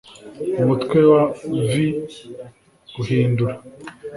umutwe wa v guhindura